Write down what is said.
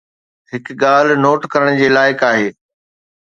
هڪ ڳالهه نوٽ ڪرڻ جي لائق آهي.